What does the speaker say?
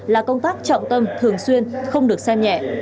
là công tác trọng tâm thường xuyên không được xem nhẹ